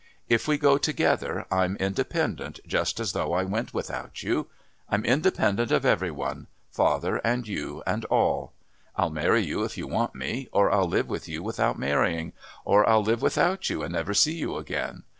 If we go together I'm independent, just as though I went without you. I'm independent of every one father and you and all. I'll marry you if you want me, or I'll live with you without marrying, or I'll live without you and never see you again.